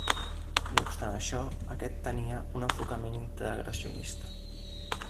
No obstant això aquest tenia un enfocament integracionista.